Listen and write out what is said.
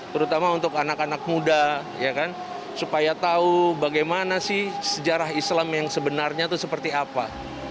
terutama untuk anak anak muda supaya tahu bagaimana sih sejarah islam yang sebenarnya itu seperti apa